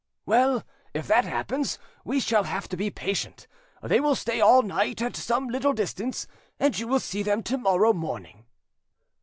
"Well, if that happens, we shall have to be patient; they will stay all night at some little distance, and you will see them to morrow morning."